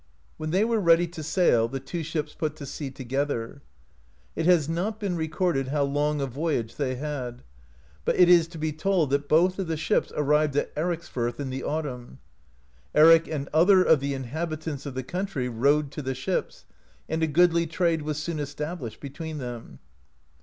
When they were ready to sail, the two ships put to sea together. It has not been recorded how long a voyage they had; but it is to be told that both of the ships arrived at Erics firth in the autumn. Eric and other of the inhabitants of the country rode to the ships, and a goodly trade was soon established between them.